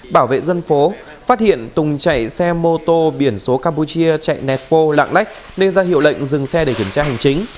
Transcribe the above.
bảo vệ dân phố phát hiện tùng chạy xe mô tô biển số campuchia chạy netpo lạng lách nên ra hiệu lệnh dừng xe để kiểm tra hành chính